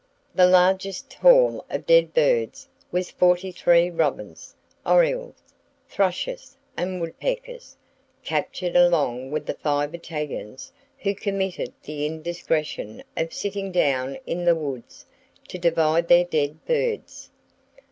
The largest haul of dead birds was 43 robins, orioles, thrushes and woodpeckers, captured along with the five Italians who committed the indiscretion of sitting down in the woods to divide their dead birds.